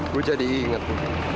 gue jadi inget